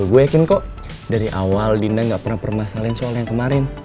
gue yakin kok dari awal dina gak pernah permasalahin soal yang kemaren